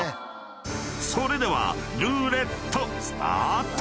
［それではルーレットスタート！］